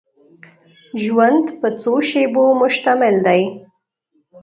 ژوند په څو شېبو مشتمل دی.